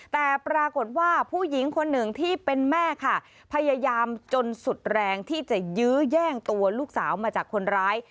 แต่ปรากฏว่าผู้หญิงคนหนึ่งที่เป็นแม่ค่ะพยายามจนสุดแรงที่จะยื้อแย่งตัวลูกสาวมาจากคนร้าย